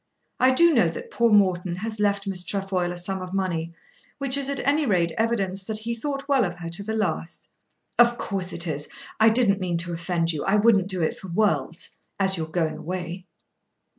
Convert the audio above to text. I do know that poor Morton has left Miss Trefoil a sum of money which is at any rate evidence that he thought well of her to the last." "Of course it is. I didn't mean to offend you. I wouldn't do it for worlds, as you are going away."